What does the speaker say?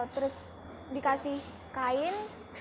terus dikasih kain